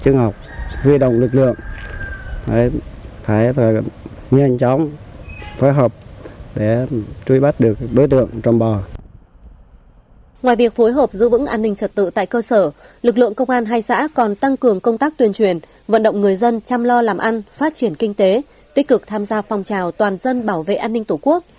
ngoài việc phối hợp giữ vững an ninh trật tự tại cơ sở lực lượng công an hai xã còn tăng cường công tác tuyên truyền vận động người dân chăm lo làm ăn phát triển kinh tế tích cực tham gia phòng trào toàn dân bảo vệ an ninh tổ quốc